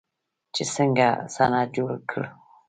چې څنګه صنعت جوړ کړو.